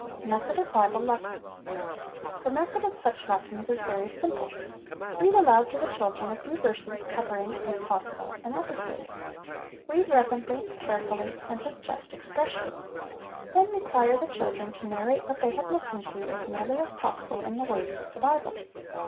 Method of Bible Lessons. The method of such lessons is very simple. Read aloud to the children a few verses covering, if possible, an episode. Read reverently, carefully, and with just expression. Then require the children to narrate what they have listened to as nearly as possible in the words of the Bible.